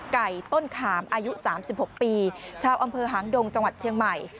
ไก่ต้นขามอายุ๓๖ปีชาวอำเภอหางดงจังหวัดเชียงใหม่